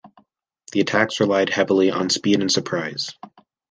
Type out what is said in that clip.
The attacks relied heavily on speed and surprise.